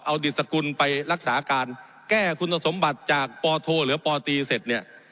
เอาดิสกุลไปรักษาการแก้คุณสมบัติจากปโทหรือปตีเสร็จเนี่ย